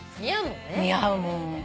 似合うもんね。